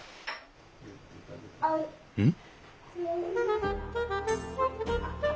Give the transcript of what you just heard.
うん？